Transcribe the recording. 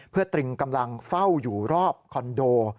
เพื่อตรึงกำลังเฝ้าอยู่รอบคอนโด